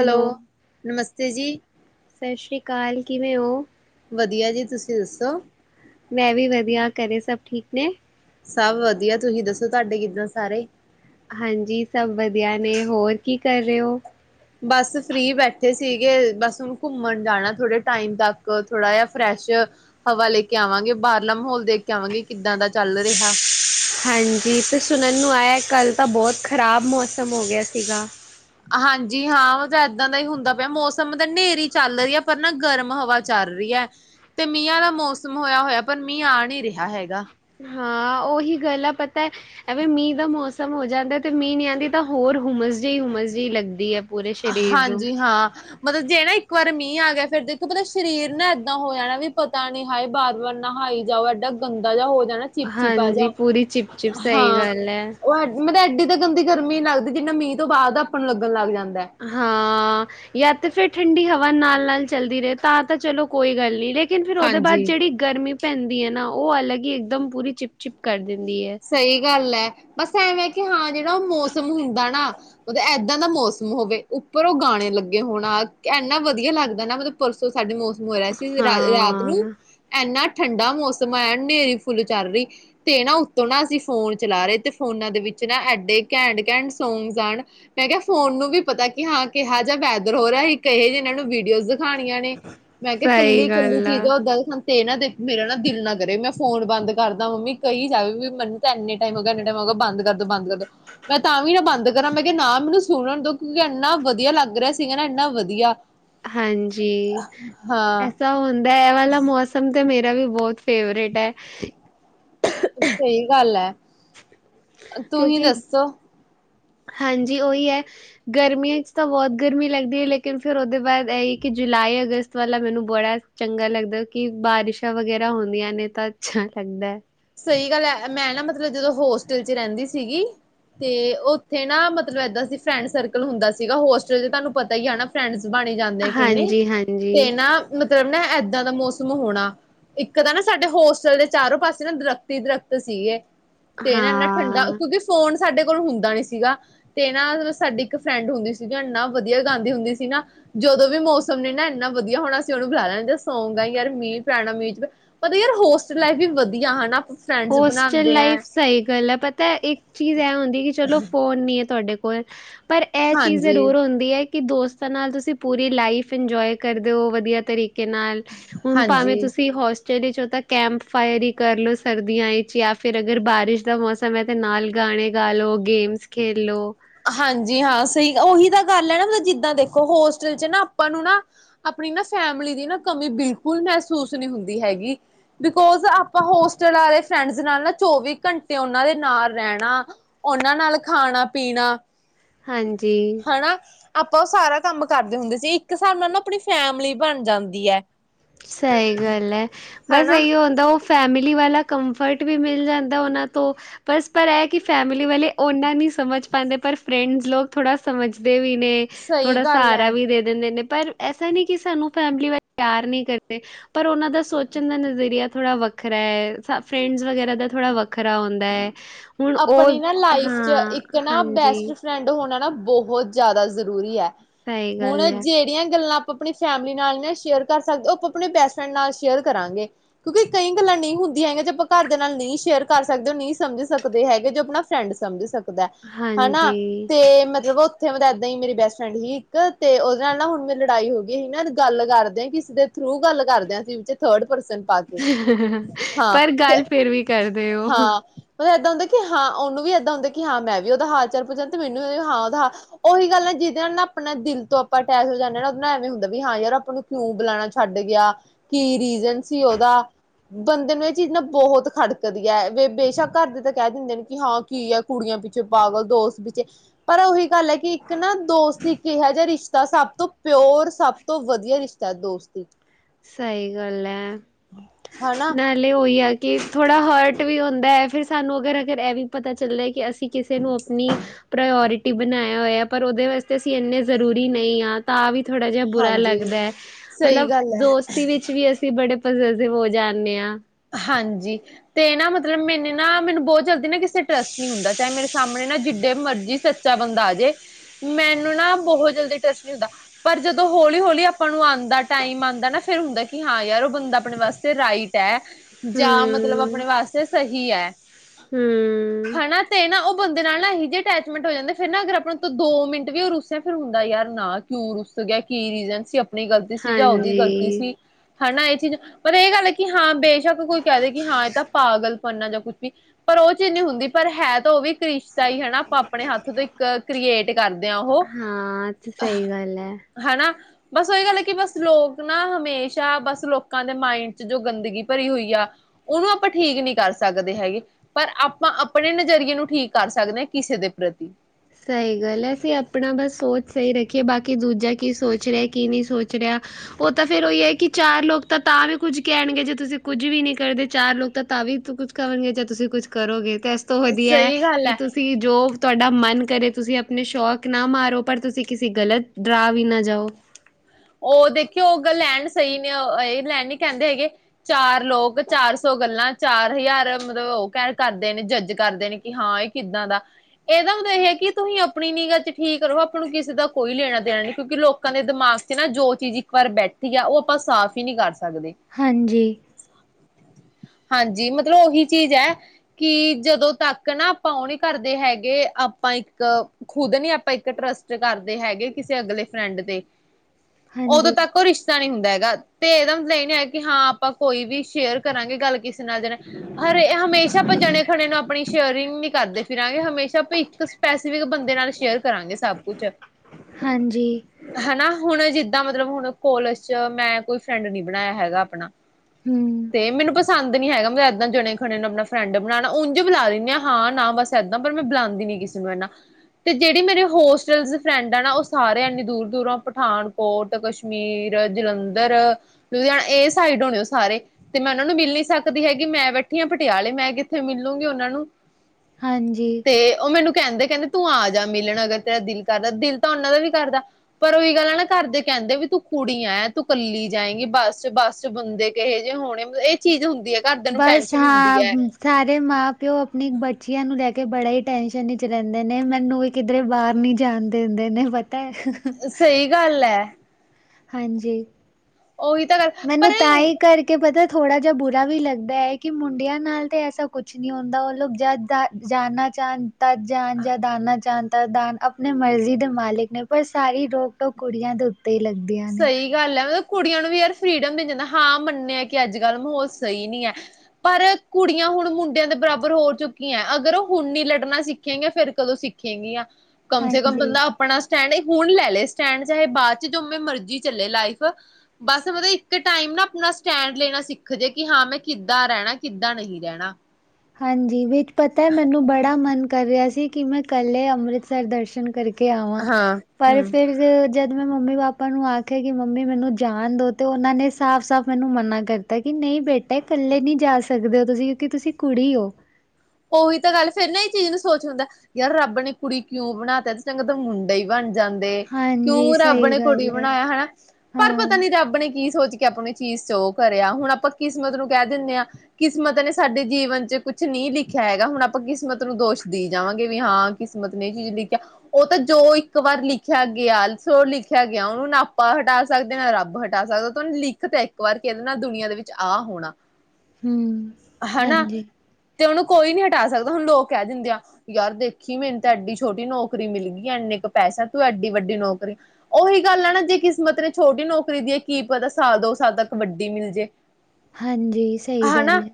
Hello ਨਮਸਤੇ ਜੀ ਸਤਿ ਸ੍ਰੀ ਅਕਾਲ, ਕਿਵੇਂ ਉਹ ਔ? ਵਧੀਆ ਜੀ ਤੁਸੀਂ ਦੱਸੋ। ਮੈਂ ਵੀ ਵਧੀਆ ਕਰੇ ਸਭ ਠੀਕ ਨੇ? ਸਭ ਵਧੀਆ ਤੁਸੀਂ ਦੱਸੋ ਤੁਹਾਡੇ ਕਿੱਦਾਂ ਸਾਰੇ। ਹਾਂਜੀ, ਸਭ ਵਧੀਆ ਨੇ ਹੋਰ ਕੀ ਕਰ ਰਹੇ ਹੋ। ਬਸ ਫ੍ਰਰੀ ਬੈਠੇ ਸੀਗੇ, ਬਸ ਹੁਨਣ ਘੁੰਮਣ ਜਾਣਾ ਥੋੜੇ ਟਾਈਮ ਤੱਕ ਥੋੜਾ ਜਿਹਾ ਫਰੈਸ਼ ਹਵਾ ਲੈਕੇ ਆਵਾਂਗੇ। ਬਾਹਰਲਾ ਮਾਹੌਲ ਦੇਖ ਕੇ ਆਵਾਂਗੇ ਕਿੱਦਾਂ ਦਾ। ਚੱਲ ਰਿਹਾ। ਹਾਂਜੀ ਤੇ ਸੁਣਨ ਨੂੰ ਆਇਆ ਕੱਲ੍ਹ ਤਾਂ ਬਹੁਤ ਖ਼ਰਾਬ ਮੌਸਮ ਹੋ ਗਿਆ ਸੀਗਾ। ਹਾਂਜੀ ਹਾਂ, ਉਹ ਤਾਂ ਇਏਦਾਂ ਦਾ ਹੀ ਹੁੰਦਾ ਪਿਆ ਮੌਸਮ ਤਾਂ ਨੇਰ੍ਹੀ ਚੱਲ ਰਹੀ ਐ, ਪਰ ਨਾ ਗਰਮ ਹਵਾ ਚੱਲ ਰਹੀ ਐ ਤੇ ਮੀਹਾਂ ਦਾ ਮੌਸਮ ਹੋਇਆ ਹੋਇਆ ਪਰ ਮੀਂਹ ਆ ਨਹੀਂ ਰਿਹਾ ਹੈਗਾ। ਹਾਂ ਉਹੀ ਗੱਲ ਆ ਪਤਾ ਐ, ਐਵੇਂ ਮੀਂਹ ਦਾ ਮੌਸਮ ਹੋ ਜਾਂਦਾ ਤੇ ਮੀਂਹ ਨਹੀਂ ਆਂਦੀ, ਤਾਂ ਹੋਰ ਹੁਮਸ ਜਿਹੀ ਹੁਮਸ ਜਿਹੀ ਲੱਗਦੀ ਐ। ਹਾਂਜੀ, ਹਾਂ ਮਤਲਬ ਜੇ ਨਾ ਇੱਕ ਵਾਰ ਮੀਂਹ ਆ ਗਿਆ ਫਿਰ ਦੇਖੋ ਪਤਾ ਸਰੀਰ ਨਾਂ ਇਏਦਾਂ ਹੋ ਜਾਣਾ ਵੀ ਪਤਾ ਨੀ ਹਾਏ ਬਾਰ ਵਾਰ ਨਹਾਈ ਜਾਓ ਏਡਾ ਗੰਦਾ ਜਾ ਹੋ ਹਾਂਜੀ ਚਿਪਚੀਪਜਿਆ ਪੂਰੀ ਚਿਪ ਚਿਪ ਸਹੀ ਹਾਂ ਗੱਲ ਹੈ। ਉਹ ਮਤਲਬ ਐਡੀ ਤੇ ਗੰਦੀ ਗਰਮੀ ਨ ਲੱਗਦੀ ਜਿੰਨਾ ਮੀਂਹ ਤੋਂ ਬਾਅਦ ਆਪਾਂ ਨੂੰ ਲੱਗਣ ਲਗ ਜਾਂਦਾ ਐ। ਹਾਂ, ਜਾਂ ਤੇ ਫਿਰ ਠੰਡੀ ਹਵਾ ਨਾਲ-ਨਾਲ ਚੱਲਦੀ ਰਹੇ ਤਾਂ ਤਾਂ ਚਲੋ ਕੋਈ ਗੱਲ ਨਈਂ। ਲੇ ਲੇਕਿਨ ਫਿਰ ਉਹਦੇ ਬਾਅਦ ਹਾਂਜੀ ਜਿਹੜੀ ਗਰਮੀ ਪੈਂਦੀ ਐਨਾਂ ਉਹ ਅਲੱਗ ਹੀ ਇੱਕਦਮ ਪੂਰੀ ਚਿਪ ਚਿਪ ਕਰਦੀ। ਸਹੀ ਗੱਲ ਐ, ਬਸ ਐਵੇਂ ਕਿ ਹਾਂ ਜਿਹੜਾ ਉਹ ਮੌਸਮ ਹੁੰਦਾ ਨਾਂ ਮਤਲਬ ਏਦਾਂ ਦਾ ਮੌਸਮ ਹੋਵੇ ਉੱਪਰ ਉਹ ਗਾਣੇ ਲੱਗੇ ਹੋਣਾ ਇੰਨਾ ਵਧੀਆ ਲੱਗਦਾ ਨਾ ਮਤਲਬ ਪਰਸੋਂ ਸਾਡੇ ਮੌਸਮ ਹੋ ਰਿਹਾ ਸੀ ਰਾਤ ਨੂੰ ਹਾਂ, ਇੰਨਾਂ ਠੰਡਾ ਮੌਸਮ ਆਇਆ ਹਨੇਰੀ ਫੁੱਲ ਚੱਲ ਰਹੀ ਤੇ ਨਾਂ ਤੋਂ ਨਾ ਅਸੀਂ ਫੋਨ ਚਲਾ ਰਹੇ ਤੇ ਫੋਨਾਂ ਦੇ ਵਿੱਚ ਨਾ ਐਡੇ ਘੈਂਡ ਘੈਂਡ ਸੌਂਗਸ ਆਣ ਮੈਂ ਕਿਆ ਫੋਨ ਨੂੰ ਵੀ ਪਤਾ ਕਿ ਹਾਂ ਕਿ ਕੇਹੋ ਜਿਹਾ ਵੈਦਰ ਹੋ ਰਿਹਾ ਐ ਕਿਹੇ ਜਿ ਇਹਨਾਂ ਨੂੰ ਵੀਡੀਓ ਖਾਣੀਆਂ ਨੇ ਮੈਂ ਕਿਆ ਸਹੀ ਕੱਲੀ-ਕੱਲੀ ਗੱਲ ਆ, ਚੀਜ਼ਾਂ ਉੱਦਾਂ ਖਾਂ ਤੇ ਨਾਂ ਦੇ ਮੇਰਾ ਨਾ ਦਿਲ ਨਾ ਕਰੇ ਮੈਂ ਫੋਨ ਬੰਦ ਕਰਦਾ ਮੰਮੀ ਕਹੀ ਜਾਵੇ ਵੀ ਮਨ ਤਾਂ ਇੰਨ ਟਾਈਮ ਟਾਈਮ ਬੰਦ ਕਰਦ ਬੰਦ ਕਰਦੋ ਮੈਂ ਤਾਂ ਵੀ ਨਾ ਬੰਦ ਕਰਾਂ ਮੈਂ ਨਾਮ ਮੈਨੂੰ ਸੁਣਨ ਤੋਂ ਕਿਉਂਕਿ ਇੰਨਾ ਵਧੀਆ ਲੱਗ ਰਿਹਾ ਸੀਗਾ ਨਾ ਇੰਨਾ ਵਧੀਆ। ਹਾਂਜੀ, ਹਾਂ ਐਸਾ ਹੁੰਦਾ ਐ ਵਾਲਾ ਮੌਸਮ ਤੇ ਮੇਰਾ ਮੇਰਾ ਵੀ ਬਹੁਤ ਫੇਵਰੇਟ ਐ। ਸਹੀ ਗੱਲ ਐ। ਤੁੂੰਸੀ ਕਿਉਂਕਿ ਦੱਸੋ? ਹਾਂਜੀ ਉਹੀ ਐ, ਗਰਮੀਆਂ ਤਾਂ ਬਹੁਤ ਗਰਮੀ ਲੱਗਦੀ ਐ, ਲੇਕਿਨ ਫਿਰ ਉਹਦੇ ਬਾਅਦ ਇਹ ਕਿ ਜੁਲਾਈ ਅਗਸਤ ਵਾਲਾ ਮੈਨੂੰ ਬੜਾ ਚੰਗਾ ਲੱਗਦਾ ਕਿ ਬਾਰਿਸ਼ਾਂ ਵਗੈਰਾ ਹੁੰਦੀਆਂ ਨੇ ਤਾਂ ਅੱਛਾ ਲੱਗਦਾ ਐ। ਸਹੀ ਗੱਲ ਐ, ਮੈਂ ਨਾ ਮਤਲਬ ਜਦੋਂ ਹੋਸਟਲ ਚ ਰਹਿੰਦੀ ਸੀਗੀ ਤੇ ਉੱਥੇ ਨਾ ਮਤਲਬ ਏਦਾਂ ਸੀ ਫਰੈਂਡ ਸਰਕਲ ਹੁੰਦਾ ਸੀਗਾ ਹੋਸਟਲ ਚ ਤੁਹਾਨੂੰ ਪਤਾ ਹੀ ਹੈ ਨਾ ਫਰੈਂਡ ਬਣ ਈਂ ਜਾਂਦੇ ਆ ਕਿੰਨੇ ਤੇ ਹਾਂਜੀ-ਹਾਂਜੀ, ਨਾਂ ਮਤਲਬ ਨਾ ਏਦ ਦਾਂ ਦਾ ਮੌਸਮ ਹੋਣਾ ਇੱਕ ਤਾਂ ਨਾ ਸਾਡੇ ਹੋਸਟਲ ਦੇ ਚਾਰੋਂ ਪਾਸੇ ਦਰਖਤ ਹੀ ਦਰਖਤ ਸੀਗੇ। ਤੇ ਨਾਂ ਇੰਨਾ ਠੰਡਾ ਹਾਂ। ਕਿਉਂਕਿ ਫੋਨ ਸਾਡੇ ਕੋਲ ਹੁੰਦਾ ਨੀਂ ਸੀਗਾ, ਤੇ ਨਾਂ ਸਾਡੀ ਇੱਕ ਫਰੈਂਡ ਹੁੰਦੀ ਸੀਗੀ ਇੰਨਾ ਵਧੀਆ ਗਾਂਦੀ ਹੁੰਦੀ ਸੀ ਨਾਂ ਜਦੋਂ ਵੀ ਮੌਸਮ ਨੇ ਏਨਾਂ ਵਧੀਆ ਹੋਣਾ, ਅਸੀਂ ਉਹਨੂੰ ਬੁਲਾ ਲੈਣਾ ਸੌਂਗ ਗਾਈਂ ਯਾਰ ਮੀਂਹ ਪੈਣਾ ਮੀਂਹ ਪਤਾ ਯਾਰ ਹੋਸਟਲ ਲਾਈਫ ਵੀ ਦੀ ਹਨਾਂ। ਹੋਸਟਲ ਲਾਈਫ ਸਹੀ ਗੱਲ ਐ ਪ ਤੇ ਇੱਕ ਚੀਜ਼ ਐਹ ਹੁੰਦੀ ਹੈ ਕਿ ਚਲੋ ਫੋਨ ਨੀ ਹੈ ਤੁਹਾਡੇ ਕੋ ਕੋਈ [unintelligible] ਪਰ ਐਹ ਚੀਜ਼ ਹਾਂਜੀ ਜ਼ਰੂਰ ਹੁੰਦੀ ਹੈ ਕਿ ਦੋਸਤਾਂ ਨਾਲ ਤੁਸੀਂ ਪੂਰੀ ਲਾਈਫ ਇੰਜੋਏ ਕਰਦੇ ਹੋ ਵਧੀਆ ਤਰੀ ਕੇ ਨਾਲ ਹੁਣ ਭਾਵੇਂ ਹਾਂਜੀ ਤੁਸੀਂ ਹੋਸ ਚ ਚੌਤਾ [unintelligible] ਕੈਂਪ ਫਾਇਰ ਹੀ ਕਰ ਲੋ ਸਰਦੀਆਂ ਚ ਜਾਂ ਫਿਰ ਅਗਰ ਬਾਰਿਸ਼ ਦਾ ਮੌਸਮ ਹੈ ਤਾਂ ਨਾਲ ਗਾਣੇ ਗਾ ਲੋ ਗੇਮਸ ਖੇਲ ਲੋ ਹਾਂਜੀ ਹਾਂ ਸਹੀ ਉਓਹੀ ਤਾਂ ਗੱਲ ਹੈ ਨਾਤ ਜਿੱਦਾਂ ਦੇਖੋ ਹੋਸਟਲ ਚ ਨਾ ਆਪਾਂ ਨੂੰ ਨਾ ਆਪਣੀ ਨਾ ਫੈਮਲੀ ਦੀ ਨਾ ਕਮੀ ਬਿਲਕੁਲ ਮਹਿਸੂਸ ਨਹੀਂ ਹੁੰਦੀ ਹੈਗੀ ਬਿਕੋਜ ਆਪਾਂ ਹੋਸਟਲ ਵਾਲੇ ਫਰੈਂਡਸ ਨਾਲ ਨਾ ਚੌਵੀ ਘੰਟੇ ਉਹਨਾਂ ਦੇ ਨਾਲ ਰਹਿਣਾ ਉਹਨਾਂ ਨਾਲ ਖਾਣਾ ਪੀਣਾ ਹਾਂਜੀ ਹਨਾ ਆਪਾਂ ਉਹ ਸਾਰਾ ਕੰਮ ਕਰਦੇ ਹੁੰਦੇ ਸੀ ਇੱਕ ਹਿਸਾਬ ਨਾਲ ਨਾ ਆਪਣੀ ਫੈਮਲੀ ਬਣ ਜਾਂਦੀ ਹੈ ਸਹੀ ਗੱਲ ਹੈ ਬਸ ਹਨਾ ਇਹੀਓ ਹੁੰਦਾ ਉਹ ਫੈਮਿਲੀ ਵਾਲਾ ਕੰਫਰਟ ਵੀ ਮਿਲ ਜਾਂਦਾ ਉਹਨਾਂ ਤੋਂ ਬਸ ਪਰ ਐਹ ਕਿ ਫੈਮਿਲੀ ਵਾਲੇ ਨਾਂ ਨਹੀਂ ਸਮਝ ਪਾਉਂਦੇ ਪਰ ਫਰੈਂਡਸ ਲੋਕ ਥੋੜ੍ਹਾ ਸਮਝਦੇ ਵੀ ਨੇ ਸਹੀ ਥੋੜਾ ਗੱਲ ਸਹਾਰਾ ਹੈ ਵੀ ਦੇ ਦਿੰਦੇ ਨੇ ਪਰ ਐਸਾ ਨਹੀਂ ਕਿ ਸਾਨੂੰ ਫੈਮਿਲੀ ਵੱਲ ਪਿਆਰ ਨਹੀਂ ਕਰਦੇ ਪਰ ਉਹਨਾਂ ਦਾ ਸੋਚਣ ਦਾ ਨਜ਼ਰੀਆ ਥੋੜ੍ਹਾ ਵੱਖਰਾ ਹੈ ਸ ਫਰੈਂਡਸ ਵਗੈਰਾ ਦਾ ਥੋੜ੍ਹਾ ਵੱਖਰਾ ਹੁੰਦਾ ਹੈ ਹੁਣ ਆਪਣੀ ਉਹ ਨਾ ਲਾਈਫ ਚ ਹਾਂ ਇੱਕ ਨਾ ਹਾਂਜੀ ਬੈਸਟ ਫਰੈਂਡ ਹੋਣਾ ਨਾ ਬਹੁਤ ਜ਼ਿਆਦਾ ਜ਼ਰੂਰੀ ਹੈ ਸਹੀ ਹੁਣ ਗੱਲ ਹੈ। ਜਿਹੜੀਆਂ ਗੱਲਾਂ ਾਂ [unintelligible] ਆਪਣੀ ਫੈਮਿਲੀ ਨਾਲ ਨਾ ਸ਼ੇਅਰ ਕਰ ਸਕ ਹੋ ਆਪਾਂ ਆਪਣੇ ਬੈਸਟ ਫਰੈਂਡ ਨਾਲ ਸ਼ੇਅਰ ਕਰਾਂਗੇ ਕਿਉਂਕਿ ਕਈ ਗੱਲਾਂ ਨਹੀਂ ਹੁੰਦੀਆਂ ਹੈਗੀਆਂ ਜੇ ਆਪਾਂ ਘਰ ਦੇ ਨਾਲ ਨਹੀਂ ਸ਼ੇਅਰ ਕਰ ਸਕਦੇ ਨਹੀਂ ਸਮਝ ਸਕਦੇ ਹੈਗੇ ਜੋ ਆਪਣਾ ਫਰੈਂਡ ਸਮਝ ਸਕ ਦਾ ਹਨਾ ਹਾਂਜੀ ਤੇ ਮਤਲਬ ਉੱਥੇ [unintelligible] ਐਦਾਂ ਹੀ ਮੇਰੀ ਬੈਸਟ ਫਰੈਂਡ ਹੀ ਇੱਕ ਤੇ ਉਹਦੇ ਨਾਲ ਨਾ ਹੁਣ ਮੇਰੀ ਲੜਾਈ ਹੋ ਗਈ ਸੀ ਨਾ ਗੱਲ ਕਰਦੇ ਹਾਂ ਕਿਸੇ ਦੇ ਥਰੂ ਗੱਲ ਕਰਦੇ ਹਾਂ ਅਸੀਂ ਵਿੱਚ ਥਰਡ ਪਰਸਨ ਪਾ ਕੇ ਹਾਂ ਪਰ ਗੱਲ ਫਿਰ ਵੀ ਕਰਦੇ ਹੋ ਮਤ ਏਦਾਂ ਹੁੰਦਾ ਕਿ ਹਾਂ ਉਹਨੂੰ ਵੀ ਏਦਾਂ ਹੁੰਦਾ ਕਿ ਹਾਂ ਮੈਂ ਵੀ ਉਹਦਾ ਹਾਲ ਚ ਪੁੱਜ ਤੇ ਮੈਨੂੰ ਹਾਂ ਉਹਦਾ ਹ ਉਹੀ ਗੱਲ ਹੈ ਜਿਹਦੇ ਨਾਲ ਨਾ ਆਪਣਾ ਦਿਲ ਤੋਂ ਆਪਾਂ ਅਟੈਚ ਹੋ ਜਾਂਦੇ ਹ ਨਾ ਉਹਦੇ ਨਾਲ ਐਵੇਂ ਹੁੰਦਾ ਵੀ ਹਾਂ ਯਾਰ ਆਪ ਨੂੰ ਕਿਉਂ ਬੁਲਾਣਾ ਛੱਡ ਗਿਆ ਕੀ ਰੀਜਨ ਸੀ ਉਹਦਾ ਬੰਦੇ ਨੂੰ ਇਹ ਚੀਜ਼ ਨਾ ਬਹੁਤ ਖੜਕਦੀ ਹੈ ਬੇ ਬੇਸ਼ੱਕ ਘਰਦੇ ਤਾਂ ਕਹਿ ਦਿੰਦੇ ਨੇ ਕਿ ਹਾਂ ਕੀ ਹੈ ਕੁੜੀਆਂ ਪਿੱਛੇ ਪਾਗਲ ਦੋਸਤ ਪਿੱਛੇ ਪਰ ਉਹੀ ਗੱਲ ਹੈ ਕਿ ਇੱਕ ਨਾ ਦੋਸਤੀ ਇਹੋ ਜਿਹਾ ਰਿਸ਼ਤਾ ਸਭ ਤੋਂ ਪਿਓਰ ਸਭ ਤੋਂ ਵਧੀਆ ਰਿਸ਼ਤਾ ਦੋਸਤੀ ਸਹੀ ਗੱਲੈ ਹਨਾ ਨਾਲੇ ਉਹੀ ਐ ਕਿ ਥੋੜ੍ਹਾ ਹਰਟ ਵੀ ਹੁੰਦਾ ਹੈ ਫਿਰ ਸਾਨੂੰ ਅਗਰ ਅਗਰ ਐਹ ਵੀ ਪਤਾ ਚੱਲਦਾ ਕਿ ਅਸੀਂ ਕਿਸੇ ਨੂੰ ਆਪਣੀ ਪ੍ਰਾਇਓਰਿਟੀ ਬਣਾਇਆ ਹੋਇਆ ਹੈ ਪਰ ਉਹਦੇ ਵਾਸਤੇ ਅਸੀਂ ਇੰਨੇ ਜ਼ਰੂਰੀ ਨਹੀਂ ਹਾਂ ਤਾਂ ਵੀ ਥੋੜ੍ਹਾ ਜਿਹਾ ਬੁਰਾ ਹਾਂਜੀ ਲੱਗਦਾ ਹੈ ਸਹੀ ਮਲਬ ਗੱਲ ਹੈ ਦੋਸਤੀ ਵਿੱਚ ਵੀ ਅਸੀਂ ਬੜੇ ਪੋਸੈਸਿਵ ਹੋ ਜਾਨੇ ਆਂ ਹਾਂਜੀ ਤੇ ਨਾ ਮਤਲਬ ਮੈਨੇ ਨਾ ਮੈਨੂੰ ਬਹੁਤ ਜ ਨਾ ਕਿਸੇ ਟਰੱਸਟ ਨਹੀਂ ਹੁੰਦਾ ਚਾਹੇ ਮੇਰੇ ਸਾਹਮਣੇ ਨਾ ਕਿਡੇ ਮਰਜੀ ਸੱਚਾ ਬੰਦਾ ਆ ਜੇ ਮੈਨੂੰ ਨਾ ਬਹੁਤ ਜਲਦੀ ਟੱਚ ਨ ਹੁੰਦਾ ਪਰ ਜਦੋਂ ਹੌਲੀ ਹੌਲੀ ਆਪਾਂ ਨੂੰ ਆਉਂਦਾ ਟਾਈਮ ਆਉਂਦਾ ਨਾ ਫਿਰ ਹੁੰਦਾ ਹਾਂ ਯਾਰ ਉਹ ਬੰਦਾ ਆਪਣੇ ਵਾਸਤੇ ਰਾਈਟ ਹੈ। ਜਾਂ ਮਤਲਬ ਹਮ ਆਪਣੇ ਵਾਸਤੇ ਸਹੀ ਹੈ, ਹਮ ਹਨਾ ਤੇ ਨਾ ਬੰਦੇ ਨਾਲ ਨਾ ਇਹੀ ਜਿਹੇ ਅਟੈਚਮੈਂਟ ਹੋ ਜਾਂਦੇ ਫਿਰ ਨਾ ਅਗਰ ਆਪਣੇ ਤੋਂ ਦੋ ਮਿੰਟ ਵੀ ਉਹ ਰੁੱਸਿਆ ਫਿਰ ਹੁੰਦਾ ਯਾਰ ਨਾ ਕਿਉ ਰੁੱਸ ਗਿਆ ਕੀ ਰੀਜ਼ਨ ਸੀ ਆਪ ਆਪਣੀ ਗਲਤੀ ਸੀ ਜਾਂ ਉਹਦੀ ਗ਼ਲਤੀ ਹਾਂਜੀ ਸੀ। ਹਨਾ ਇਹ ਚੀਜ਼ ਪਰ ਇਹ ਗੱਲ ਹੈ ਕਿ ਹਾਂ ਬੇਸ਼ੱਕ ਕੋਈ ਕਹਿ ਦੇ ਕਿ ਹਾਂ ਇਹ ਤਾਂ ਪਾਗਲ ਪੰਨਾ ਜਾਂ ਕੁਛ ਵੀ ਪਰ ਉਹ ਚੀਜ਼ ਨਹੀਂ ਹੁੰਦੀ ਪਰ ਹੈ ਤਾਂ ਉਹ ਵੀ ਰਿਸ਼ਤਾ ਹੀ ਹਨਾ ਆਪਾਂ ਆਪਣੇ ਹੱਥ ਤੇ ਕ੍ਰੀਏਟ ਕਰਦੇ ਹਾਂ ਉਹ, ਹਾਂ ਤੇ ਸਹੀ ਗੱਲ ਹੈ ਹਨਾ ਬਸ ਉਹੀ ਗੱਲ ਹੈ ਕਿ ਬਸ ਲੋਕ ਨਾ ਹਮੇਸ਼ਾ ਬਸ ਲੋਕਾਂ ਦੇ ਮਾਇੰਡ ਚ ਜੋ ਗੰਦਗੀ ਭਰੀ ਹੋਈ ਜਾਂ ਉਹਨੂੰ ਆਪਾਂ ਠੀਕ ਨਹੀਂ ਕਰ ਸਕਦੇ ਹੈਗੇ ਪਰ ਆਪਾਂ ਆਪਣੇ ਨਜ਼ਰੀਏ ਨੂੰ ਠੀਕ ਕਰ ਸਕਦੇ ਹਾਂ ਕਿਸੇ ਦੇ ਪ੍ਰਤੀ, ਸਹੀ ਗੱਲ ਹੈ ਅਸੀਂ ਆਪਣਾ ਬਸ ਸੋਚ ਸਹੀ ਰੱਖੀਏ ਬਾਕੀ ਦੂਜਾ ਕੀ ਸੋਚ ਰਿਹਾ ਕੀ ਨਹੀਂ ਸੋਚ ਰਿਹਾ ਉਹ ਤਾਂ ਫੇਰ ਉਹੀ ਹੈ ਕਿ ਚਾਰ ਲੋਕ ਤਾਂ ਤਾਂ ਵੀ ਕੁੱਝ ਕਹਿਣਗੇ ਜੇ ਤੁਸੀਂ ਕੁੱਝ ਵੀ ਨਹੀਂ ਕਰਦੇ ਚਾਰ ਲੋਕ ਤਾਂ ਤਾਂ ਵੀ ਕੁਛ ਕਣਗੇ ਜਾਂ ਤੁਸੀਂ ਕੁੱਛ ਕਰੋਗੇ। ਇਸ ਤੋਂ ਹੋਦੀ ਹੈ ਸਹੀ ਗੱਲ ਕਿ ਹੈ ਤੁਸੀਂ ਜੋ ਤੁਹਾਡਾ ਮਨ ਕਰੇ ਤੁਸੀਂ ਆਪਣੇ ਸ਼ੌਕ ਨਾ ਮਾਰੋ ਪਰ ਤੁਸੀਂ ਕਿਸੇ ਗਲਤ ਡਰਾ ਵੀ ਨਾ ਜਾਓ। ਉਹ ਦੇਖਿਓ ਉਹ ਗੱਲ ਲੈਣ ਸਹੀ ਨੇ ਇਹ ਲੈਣ ਨੀ ਕਹਿੰਦੇ ਹੈਗੇ ਚਾਰ ਲੋਕ ਚਾਰ ਸੌ ਗੱਲਾਂ ਚਾਰ ਹਜ਼ਾਰ ਮਤਲਬ ਉਹ ਕਹਿ ਕਰਦੇ ਨੇ ਜੱਜ ਕਰਦੇ ਨੇ ਕਿ ਹਾਂ ਇਹ ਕਿੱਦਾਂ ਦਾ ਇਹਦਾ ਮਤਲਬ ਇਹ ਹੈ ਕਿ ਤੁਸੀਂ ਆਪਣੀ ਨੀ ਗੱਲ ਚ ਠੀਕ ਕਰੋ ਆਪਾਂ ਨੂੰ ਕਿਸੇ ਦਾ ਕੋਈ ਲੈਣਾ ਦੇਣਾ ਨ ਕਿਉਂਕਿ ਲੋਕਾਂ ਦੇ ਦਿਮਾਗ ਨਾ ਜੋ ਚੀਜ਼ ਇੱਕ ਵਾਰ ਬੈਠੀ ਆ ਉਹ ਆਪਾਂ ਸਾਫ਼ ਹੀ ਨਹੀਂ ਕਰ ਸਕ ਹਾਂਜੀ। ਹਾਂਜੀ ਮਤਲਬ ਉਹੀ ਚੀਜ਼ ਹੈ ਕਿ ਜਦੋਂ ਤੱਕ ਨਾ ਆਪਾਂ ਉਹ ਨੀ ਕਰਦੇ ਹੈਗੇ ਆਪਾਂ ਇੱਕ ਖੁਦ ਨੀ ਆਪਾਂ ਇੱਕ ਟਰਸਟ ਕਰਦੇ ਹੈਗੇ ਕਿਸੇ ਅਗਲੇ ਫਰੈਂਡ ਤੇ। ਉਦੋਂ ਹਾਂਜੀ ਤੱਕ ਉਹ ਰਿਸ਼ਤਾ ਨਹੀਂ ਹੁੰਦਾ ਤੇ ਇਹਦਾ ਮਤਲਬ ਇਹ ਨੀ ਆਇਆ ਕਿ ਹਾਂ ਆਪਾਂ ਕੋਈ ਵੀ ਸ਼ੇਅਰ ਕਰਾਂਗੇ ਗੱਲ ਕਿਸ ਨਾਲ ਜਿਹੜਾ ਹਰੇ ਹਮੇਸ਼ਾ ਆਪਾਂ ਜਣੇ ਖਣੇ ਨੂੰ ਆਪਣੀ ਸ਼ੇਅਰਿੰਗ ਨੀ ਕਰਦੇ ਫਿਰਾਂਗੇ ਹਮੇਸ਼ਾ ਆਪਾਂ ਇੱਕ ਵੀ ਬੰਦੇ ਨਾਲ ਸ਼ੇਅਰ ਕਰਾਂਗੇ ਸਭ ਕੁਛ, ਹਾਂਜੀ ਹਨਾ। ਹੁ ਜਿੱਦਾਂ ਮਤਲਬ ਹੁਣ ਕੋਲਜ ਚ ਮੈਂ ਕੋਈ ਫਰੈਂਡ ਨੀ ਬਣਾਇਆ ਹੈਗਾ ਆਪਣਾ। ਹੂੰ ਤੇ ਮੈਨੂੰ ਪਸੰਦ ਨੀ ਹੈਗਾ ਮੈਂ ਏਦਾਂ ਜੁਣੇ ਖੁਣੇ ਨੂੰ ਆਪਣਾ ਫਰੈਂਡ ਬਣਾਉਣਾ ਉੰਝ ਬੁਲਾ ਦਿੰਦੀ ਹ ਹਾਂ ਨਾ ਬਸ ਏਦਾਂ ਪਰ ਮੈਂ ਬੁਲਾਉਂਦੀ ਨੀ ਕਿਸੇ ਨੂੰ ਇਨਾ ਤੇ ਜਿਹੜੀ ਮੇਰੇ ਹੋਸਟਲ ਫਰੈਂਡ ਆ ਨਾ ਉਹ ਸਾਰ ਇਨੀ ਦੂਰ ਦੂਰੋਂ ਪਠਾਨਕੋਟ ਕਸ਼ਮੀਰ ਜਲੰਧਰ ਲੁਧਿਆਣਾ ਇਹ ਸਾਈਡ ਹੋਣੇ ਉਹ ਸਾਰੇ ਤੇ ਮੈਂ ਉਹਨਾਂ ਨੂੰ ਮਿਲ ਨੀ ਸਕਦੀ ਹੈਗੀ ਮੈਂ ਬੈਠੀ ਹਾਂ ਪਟਿਆਲੇ ਮੈਂ ਕਿੱਥੇ ਮਿਲੂੰਗੀ ਉਹਨਾਂ ਨੂੰ, ਹਾਂਜੀ ਤੇ ਉਹ ਮੈਨੂੰ ਕਹਿੰਦੇ ਕਹਿੰਦੇ ਤੂੰ ਆ ਜਾ ਮਿਲਣ ਅਗਰ ਤੇਰਾ ਦਿਲ ਕਰਦਾ ਦਿਲ ਤਾਂ ਉਹਨਾਂ ਦਾ ਵੀ ਕਰਦਾ, ਪਰ ਉਹੀ ਗੱਲ ਆ ਨਾ ਘਰਦੇ ਕਹਿੰਦੇ ਵੀ ਤੂੰ ਕੁੜੀ ਆਏ ਤੂੰ ਕੱਲੀ ਜਾਏਗੀ ਬੱਸ ਚ ਬੱਸ ਚ ਬੰਦੇ ਕਿਹੋ ਜਿਹੇ ਹੋਣੇ ਇਹ ਚੀਜ਼ ਹੁੰਦੀ ਹੈ। ਬਸ ਹਾਂ ਸਾਰੇ ਮਾਂ ਪਿਓ ਆਪਣੀ ਬੱਚੀਆਂ ਨੂੰ ਲੈ ਕੇ ਬੜਾ ਹੀ ਟੈਨਸ਼ਨ ਵਿਚ ਰਹਿੰਦੇ ਨੇ ਮੈਨੂੰ ਵੀ ਕਿਧਰੇ ਬਾਹਰ ਨੀ ਜਾਣ ਦਿੰਦੇ ਨੇ ਬੱਚੇ ਸਹੀ ਗੱਲ ਹੈ। ਹਾਂਜੀ। ਉਹੀ ਤਾਂ ਗੱਲ ਪਰ ਮੈਨੂੰ ਤਾਂ ਇਹ ਹੀ ਕਰਕੇ ਪਤਾ, ਥੋੜ੍ਹਾ ਜਿਹਾ ਬੁਰਾ ਵੀ ਲੱਗਦਾ ਹੈ ਕਿ ਮੁੰਡਿਆਂ ਨਾਲ ਤਾਂ ਐਸਾ ਕੁਛ ਨਹੀਂ ਹੁੰਦਾ ਉਹ ਲੋਕ ਜਦ ਦਾ ਜਾਣ ਨਾ ਚਾਹਣ ਤਦ ਜਾਣ ਜਾਂ ਦਾਨਨਾ ਚਾਹਣ ਤਦ ਦਾਨ ਆਪਣੇ ਮਰਜ਼ੀ ਦੇ ਮਾਲਿਕ ਨੇ ਪਰ ਸਾਰੀ ਰੋਕ ਟੋਕ ਕੁੜੀਆਂ ਦੇ ਉੱਤੇ ਲੱਗਦੀਆਂ ਨੇ ਸਹੀ ਗੱਲ ਹੈ, ਮਤਲਬ ਕੁੜੀਆਂ ਨੂੰ ਵੀ ਯਾਰ ਫਰੀਡਮ ਮਿਲ ਜਾਂਦਾ ਹਾਂ ਮੰਨੇ ਆ ਕਿ ਅੱਜ ਕੱਲ੍ਹ ਮਾਹੌਲ ਸਹੀ ਨਹੀਂ ਹੈ ਪਰ ਕੁੜੀਆਂ ਹੁਣ ਮੁੰਡਿਆਂ ਦੇ ਬਰਾਬਰ ਹੋ ਚੁੱਕੀਆਂ ਅਗਰ ਉਹ ਹੁਣ ਨੀ ਲੜਨਾ ਸਿੱਖੇਗੀਆਂ ਫਿਰ ਕਦੋਂ ਸਿੱਖੇਗੀਆਂ। ਕਮ ਸੇ ਕਮ ਹਾਂਜੀ ਬੰਦਾ ਆਪਣਾ ਸਟੈਂਡ ਹੁਣ ਲੈ ਲਏ ਸਟੈਂਡ ਚਾਹੇ ਬਾਅਦ ਚ ਜਿਵੇਂ ਮਰਜ਼ੀ ਚੱਲੇ ਲਾਈਫ ਬਸ ਮਤਲਬ ਇੱਕ ਟਾਈਮ ਨਾ ਆਪਣਾ ਸਟੈਂਡ ਲੈਣਾ ਸਿੱਖ ਜੇ ਕਿ ਹਾਂ ਮੈਂ ਕਿੱਦਾਂ ਰਹਿਣਾ ਕਿੱਦਾਂ ਨਹੀਂ ਰਹਿਣਾ ਹਾਂਜੀ ਵਿੱਚ ਪਤਾ ਮੈਨੂੰ ਬੜਾ ਮਨ ਕਰ ਰਿਹਾ ਸੀ ਕਿ ਮੈਂ ਇਕੱਲੇ ਅੰਮ੍ਰਿਤਸਰ ਦਰਸ਼ਨ ਕਰਕੇ ਕੇ ਆਵਾਂ ਹਾਂ ਪਰ ਹਮ ਫਿਰ ਜਦ ਮੈਂ ਮੰਮੀ ਪਾਪਾ ਨੂੰ ਆਖਿਆ ਕਿ ਮੰਮੀ ਮੈਨੂੰ ਜਾਣ ਦੋ ਤੇ ਉਹਨਾਂ ਨੇ ਸਾਫ਼ ਸਾਫ਼ ਮੈਨੂੰ ਮਨਾ ਕਰਤਾ ਕਿ ਨਹੀਂ ਬੇਟਾ ਇਕੱਲੇ ਨਹੀਂ ਜਾ ਸਕਦੇ ਹੋ ਤੁਸੀਂ ਕਿਉਂਕਿ ਤੁਸੀਂ ਕੁੜੀ ਓ ਉਹੀ ਤਾਂ ਗੱਲ ਫੇਰ ਨਾ ਇਹ ਚੀਜ਼ ਨੂੰ ਸੋਚ ਹੁੰਦਾ ਯਾਰ ਰੱਬ ਨੇ ਕੁੜੀ ਕਿਉਂ ਬਣਾ ਤਾ ਤੇ ਚੰਗਾ ਤਾਂ ਮੁੰਡਾ ਹੀ ਬਣ ਜਾਂਦੇ ਹਾਂਜੀ, ਕਿਉਂ ਰੱਬ ਸਹੀ ਨੇ ਕੁੜੀ ਗੱਲ ਹੈ। ਬਣਾਇਆ ਹਨਾ, ਪਰ ਹਾਂ, ਪਤਾ ਨੀ ਰੱਬ ਨੇ ਕੀ ਸੋਚ ਕੇ, ਆਪਣੀ ਚੀਜ਼ ਸੋ ਕਰਿਆ ਹੁਣ ਆਪਾਂ ਕਿਸਮਤ ਨੂੰ ਕਹਿ ਦਿੰਨੇ, ਹਾਂ ਕਿਸਮਤ ਨੇ ਸਾਡੇ ਜੀਵਨ ਚ ਕੁਛ ਨਹੀਂ ਲਿਖ ਲਿਖਿਆ ਹੈਗਾ, ਹੁਣ ਆਪਾਂ ਕਿਸਮਤ ਨੂੰ ਦੋਸ਼ ਦੇ ਜਾਵਾਂਗੇ ਵੀ ਹਾਂ ਕਿਸਮਤ ਨੇ ਇਹ ਚੀਜ਼ ਲਿਖਿਆ ਉਹ ਤਾਂ ਜੋ ਇੱਕ ਵਾਰ ਲਿਖਿਆ ਗਿਆ ਲਿਖਿਆ ਗਿਆ, ਉਹਨੂੰ ਨਾ ਆਪਾ ਹਟਾ ਸਕਦੇ ਨਾ ਰੱਬ ਹਟਾ ਸਕਦਾ, ਤਾਂ ਉਹਨੂੰ ਲਿਖਤ ਇੱਕ ਵਾਰ ਕਹਿੰਦੇ ਨਾ ਦੁਨੀਆਂ ਦੇ ਵਿੱਚ ਆਹ ਹੋਣਾ ਹੂੰ, ਹਨਾ ਹਾਂਜੀ। ਤੇ ਉਹਨੂੰ ਕੋਈ ਨੀ ਹਟਾ ਸਕਦਾ, ਹੁਣ ਲੋਕ ਕਹਿ ਦਿੰਦੇ ਆ ਯਾਰ ਦੇਖੀ ਮੈਨੂੰ ਤਾਂ ਐਡੀ ਛੋਟੀ ਨੌਕਰੀ ਮਿਲ ਗਈ ਇੰਨੇ ਕੁ ਪੈਸਾ ਤੂੰ ਐਡੀ ਵੱਡੀ ਨੌਕਰੀ ਉਹੀ ਗੱਲ ਆ ਨਾ ਜੇ ਕਿਸਮਤ ਨੇ ਛੋਟੀ ਨੌਕਰੀ ਦੀ ਹੈ, ਕੀ ਪਤਾ ਸਾਲ ਦੋ ਸਾਲ ਤੱਕ ਵੱਡੀ ਮਿਲ ਜੇ। ਹਾਂਜੀ ਸਹੀ ਗੱਲ ਹੈ।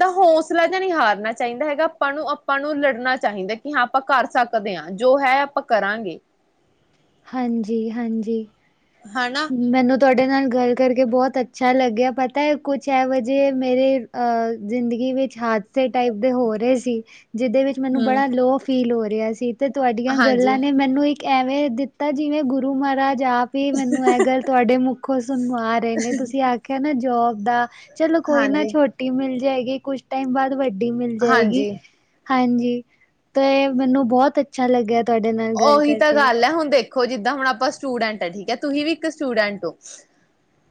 ਦਾ ਹੌਸਲਾ ਜਾਂ ਹਾਰ ਕਰਨਾ ਚਾਹੀਦਾ ਹੈਗਾ, ਆਪਾਂ ਨੂੰ ਆਪਾਂ ਨੂੰ ਲੜਨਾ ਚਾਹੀਦਾ, ਕਿ ਹਾਂ ਆਪਾਂ ਕਰ ਸਕਦੇ ਹਾਂ ਜੋ ਹੈ ਆਪਾਂ ਕਰਾਂਗੇ। ਹਾਂਜੀ ਹਾਂਜੀ, ਹਨਾ ਮੈਨੂੰ ਤੁਹਾਡੇ, ਤੁਹਾਡੇ ਨਾਲ ਗੱਲ ਕਰਕੇ ਬਹੁਤ ਅੱਛਾ ਲੱਗਿਆ, ਪਤਾ ਹੈ ਕੁਛ ਇਹੋ ਜਿਹੇ ਮੇਰੇ ਅ ਜ਼ਿੰਦਗੀ ਵਿੱਚ ਹਾਦਸੇ ਟਾਈਪ ਦੇ ਹੋ ਰਹੇ ਸੀ। ਜਿਹਦੇ ਵਿੱਚ ਮੈਨੂੰ ਹਮ ਬੜਾ ਲੋ ਫੀਲ ਹੋ ਰਿ ਰਿਹਾ ਸੀ। ਤੇ ਤੁਹਾਡੀਆਂ ਗੱਲਾਂ ਹਾਂਜੀ ਨੇ ਮੈਨੂੰ ਇੱਕ ਐਵੇ ਦਿੱ ਤਾਂ ਜਿਵੇਂ ਗੁਰੂ ਮਹਾਰਾਜ ਜਾ ਫਿਰ ਮੈਨੂੰ ਇਹ ਗੱਲ ਤੁਹਾਡੇ ਮੁੱਖੋਂ ਸੁਣਾ ਰਹੇ ਨੇ ਤੁਸੀਂ ਆਖਿਆ ਨਾ, ਜੋਬ ਦਾ, ਚਲੋ ਕੋਈ ਨਾ ਹਾਂਜੀ ਛੋਟੀ ਮਿਲ ਜਾਏਗੀ, ਕੁਛ ਟਾਈਮ ਬਾਅਦ ਵੱਡੇ ਗੱਡੀ ਮਿਲ ਜਾਏਗੀ। ਹਾਂਜੀ ਹਾਂਜੀ, ਤੇ ਮੈਨੂੰ ਬਹੁਤ ਅੱਛਾ ਲੱਗਿਆ। ਤੁਹਾਡੇ ਨਾਲ ਗੱਲ ਉਹੀ ਤਾਂ ਕਰਕੇ ਗੱਲ ਹੈ ਹੁਣ ਦੇ ਖੋ ਜਿੱਦਾਂ ਹੁਣ ਆਪਾਂ ਸਟੂਡੈਂਟ ਆ ਠੀਕ ਹੈ, ਤੁਸੀਂ ਵੀ ਇੱਕ ਸਟੂਡੈਂਟ ਔ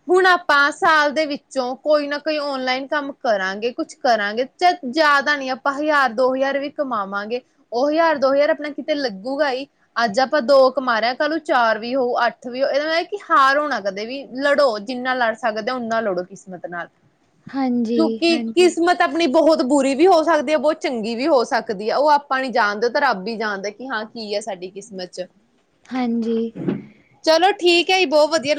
ਹੁਣ ਆਪਾਂ ਸਾਲ ਦੇ ਵਿੱਚੋਂ ਕੋਈ ਨਾ ਕੋਈ ਔਨਲਾਈਨ ਕੰਮ ਕਰਾਂਗੇ, ਕੁਛ ਕਰਾਂਗੇ ਜਿਆਦਾ ਨੀ ਆਪਾਂ ਹਜ਼ਾਰ ਦੋ ਹਜ਼ਾਰ ਵੀ ਕਮਾਵਾਂਗੇ, ਉਹ ਹਜ਼ਾਰ ਦੋ ਹਜ਼ਾਰ ਆਪਣਾ ਕਿਤੇ ਲੱ ਲੱਗੂਗਾ ਹੀ, ਅੱਜ ਆਪਾਂ ਦੋ ਕਮਾ ਰਿਆ ਕੱਲ ਨੂੰ ਚਾਰ ਵੀ ਹੋਊ ਅੱਠ ਵੀ ਇਹਦਾ ਨਾਲ ਕਿ ਹਾਰੋ ਨਾ ਕਦੇ ਵੀ ਲੜੋ ਜਿੰਨਾ ਲੜ ਸਕਦੇ, ਓਨਾ ਲੜੋ ਕਿਸਮਤ ਨਾਲ ਹਾਂਜੀ ਕਿਉਂਕਿ ਹਾਂਜੀ ਕਿਸਮਤ ਆਪਣੀ ਬਹੁਤ ਬਹੁਤ ਬੁਰੀ ਵੀ ਹੋ ਸਕਦੀ ਹੈ, ਬਹੁਤ ਚੰਗੀ ਵੀ ਹੋ ਸਕਦੀ ਹੈ, ਉਹ ਆਪਾਂ ਨੀ ਜਾਣਦੇ ਤਾਂ ਰੱਬ ਹੀ ਜਾਣਦੇ ਕਿ ਹਾਂ। ਕੀ ਹੈ ਸਾਡੀ ਕਿਸਮਤ ਚ, ਹਾਂਜੀ। ਕਈ ਬਹੁਤ ਵਧੀਆ,